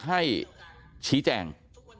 ให้ชี้แจง